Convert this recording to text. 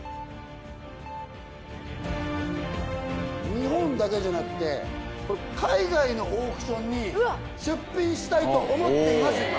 日本だけじゃなくて、海外のオークションに出品したいと思っています、今。